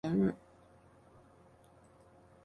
华裔泰国人大部分仍庆祝华人传统节日。